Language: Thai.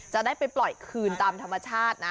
จะได้ไปปล่อยคืนตามธรรมชาตินะ